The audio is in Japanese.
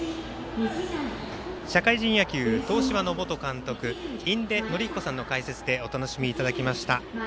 社会人野球、東芝の元監督印出順彦さんの解説でお楽しみいただきました。